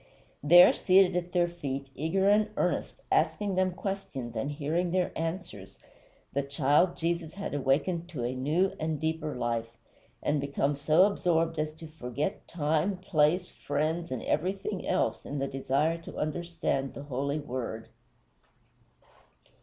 There, seated at their feet, eager and earnest, asking them questions and hearing their answers, the child Jesus had awakened to a new and deeper life, and become so absorbed as to forget time, place, friends, and everything else in the desire to understand the Holy Word.